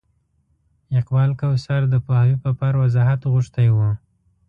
اقبال کوثر د پوهاوي په پار وضاحت غوښتی و.